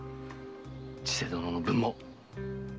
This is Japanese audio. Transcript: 千世殿の分も！